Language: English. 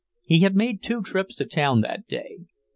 He had made two trips to town that day.